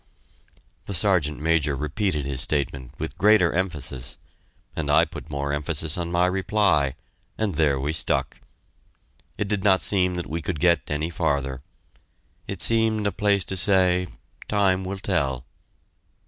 The Sergeant Major repeated his statement, with greater emphasis, and I put more emphasis on my reply, and there we stuck! It did not seem that we could get any farther. It seemed a place to say, "Time will tell."